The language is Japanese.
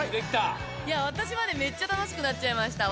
私までめっちゃ楽しくなっちゃいました。